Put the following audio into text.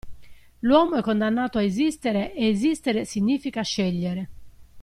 L'uomo è condannato a esistere e esistere significa scegliere.